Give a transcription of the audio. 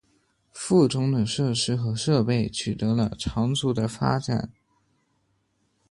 附中的设施和设备取得了长足的发展。